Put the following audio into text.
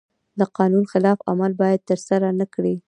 د قانون خلاف عمل باید ترسره نکړي.